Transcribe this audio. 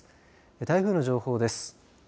台風の情報です。